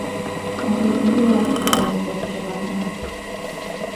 Ezért gyúró lett a felnőtt focicsapatnál.